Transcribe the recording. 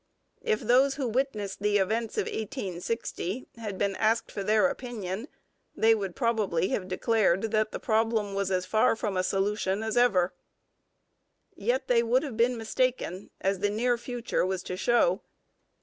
If those who witnessed the events of 1860 had been asked for their opinion, they would probably have declared that the problem was as far from solution as ever. Yet they would have been mistaken, as the near future was to show.